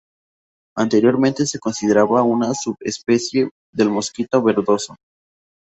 Anteriormente se consideraba una subespecie del mosquitero verdoso.